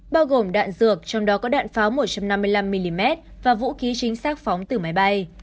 bao gồm đạn dược trong đó có đạn pháo một trăm năm mươi năm mm và vũ khí chính xác phóng từ máy bay